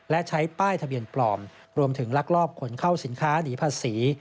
และใช้ป้ายทะเบียนปลอมรวมถึงลักลอบขนเข้าสินค้าหนีภาษี